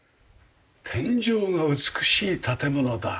天井が美しい建物だ。